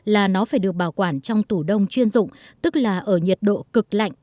là nó phải được bảo quản trong tủ đông chuyên dụng tức là ở nhiệt độ cực lạnh